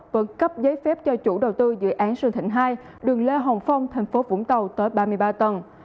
vẫn cấp giấy phép cho chủ đầu tư dự án sơn thịnh hai đường lê hồng phong thành phố vũng tàu tới ba mươi ba tầng